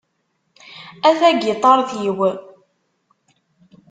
A tagiṭart-iw...